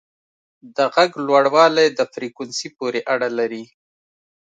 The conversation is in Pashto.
د غږ لوړوالی د فریکونسي پورې اړه لري.